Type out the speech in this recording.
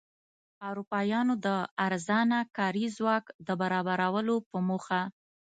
اروپایانو د ارزانه کاري ځواک د برابرولو په موخه.